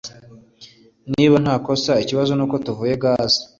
Niba ntakosa, ikibazo nuko tuvuye gaze.